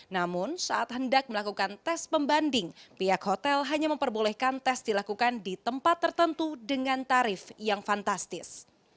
namun saat hendak melakukan tes pembanding pihak hotel hanya memperbolehkan tes dilakukan di tempat tertentu dengan tarif yang fantastis